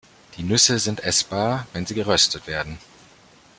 Die Nüsse sind essbar, wenn sie geröstet werden.